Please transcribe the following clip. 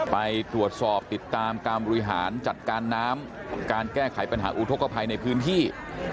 ไปตรวจสอบติดตามการบริหารจัดการน้ำการแก้ไขปัญหาอุทธกภัยในพื้นที่